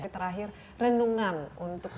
terakhir rendungan untuk tiga puluh maret